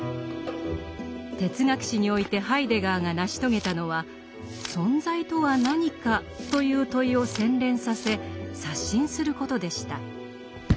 哲学史においてハイデガーが成し遂げたのは「存在とは何か」という問いを洗練させ刷新することでした。